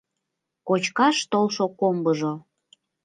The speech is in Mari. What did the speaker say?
Кочкаш толшо комбыжо